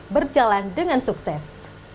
berjalan dengan sukses